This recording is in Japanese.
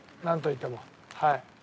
何といってもはい。